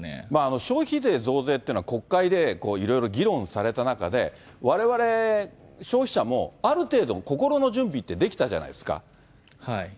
消費税増税っていうのは、国会でいろいろ議論された中で、われわれ消費者もある程度、心の準備ってできたじゃないですか。